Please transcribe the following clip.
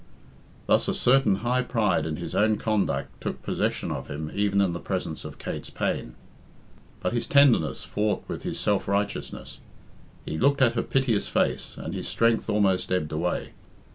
Thus a certain high pride in his own conduct took possession of him even in the presence of Kate's pain. But his tenderness fought with his self righteousness. He looked at her piteous face and his strength almost ebbed away.